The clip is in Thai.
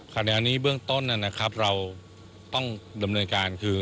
ขณะนี้เบื้องต้นนะครับเราต้องดำเนินการคือ